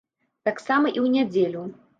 Таксама і ў нядзелю.